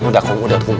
udah kum udah kum